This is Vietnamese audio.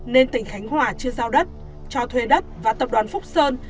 nên tỉnh khánh hòa chưa giao đất cho thuê đất và tập đoàn phúc sơn